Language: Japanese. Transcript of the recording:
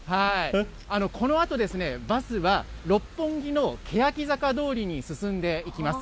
このあとバスは、六本木のけやき坂通りに、進んでいきます。